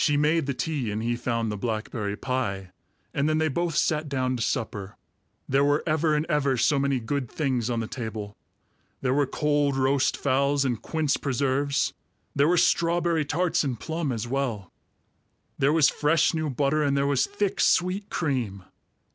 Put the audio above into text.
She made the tea, and he found the blackberry pie, and then they both sat down to supper. There were ever and ever so many good things on the table. There were cold roast fowls and quince preserves; there were strawberry tarts and plum as well; there was fresh new butter, and there was thick sweet cream.